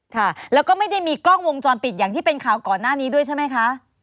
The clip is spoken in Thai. ค่ะแล้วก็ไม่ได้มีกล้องวงจรปิดอย่างที่เป็นข่าวก่อนหน้านี้ด้วยใช่ไหมคะ